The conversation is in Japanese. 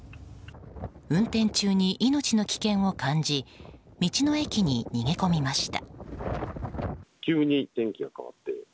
運転中に命の危険を感じ道の駅に逃げ込みました。